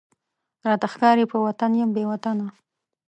راته ښکاری په وطن یم بې وطنه،